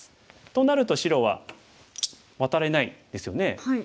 となると白はワタれないですよね。